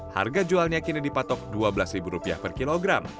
harga jualnya kini dipatok dua belas rupiah per kilogram